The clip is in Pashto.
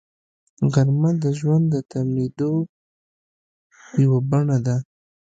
غرمه د ژوند د تمېدو یوه بڼه ده